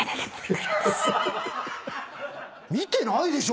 見てないでしょ！